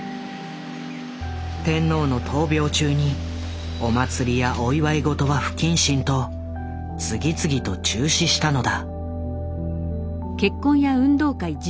天皇の闘病中にお祭りやお祝い事は「不謹慎」と次々と中止したのだ。